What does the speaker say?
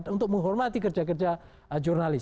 untuk menghormati kerja kerja jurnalis